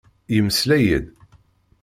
Yemmeslay-d.